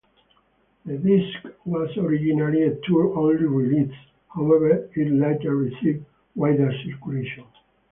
The disc was originally a tour-only release; however, it later received wider circulation.